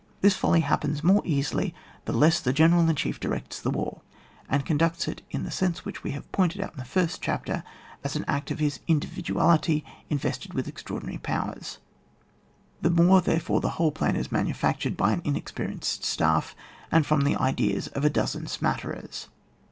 This folly hap pens more easily the less the gener^ in chief directs the war, and conducts it in the sense which we have pointed out in the first chapter as an act of his indi viduality invested with extraordinaiy powers ; the more, therefore, the whole plan is manufactured by an inexpe rienced staff, and from the ideas of a dozen smatterers.